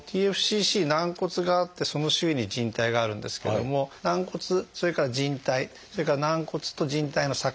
ＴＦＣＣ軟骨があってその周囲に靭帯があるんですけども軟骨それから靭帯それから軟骨と靭帯の境目